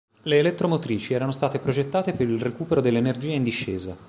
Le elettromotrici erano state progettate per il recupero dell'energia in discesa.